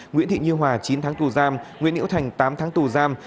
nguyễn thị như hòa chín tháng tù giam nguyễn hữu thành tám tháng tù giam